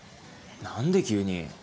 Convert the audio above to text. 何で急に？